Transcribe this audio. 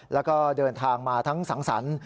แล้วก็เดินทางมาทั้งสังสรรค์